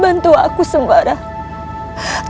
bantu aku sembarang